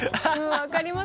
分かります。